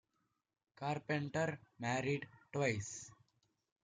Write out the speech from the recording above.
Carpenter married twice.